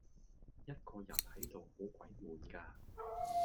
一個人喺度好鬼悶㗎